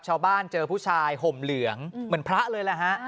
ชาวบ้านเจอผู้ชายห่มเหลืองเหมือนพระเลยแหละฮะ